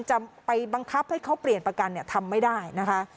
จะไปบังคับให้เขาเปลี่ยนประกันทำไม่ได้นะคะ